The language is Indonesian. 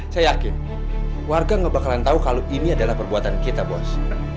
saya yakin warga gak bakalan tahu kalau ini adalah perbuatan kita bos